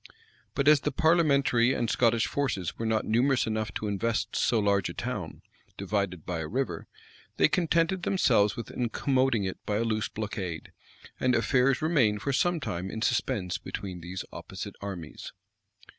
But as the parliamentary and Scottish forces were not numerous enough to invest so large a town, divided by a river, they contented themselves with incommoding it by a loose blockade; and affairs remained for some time in suspense between these opposite armies.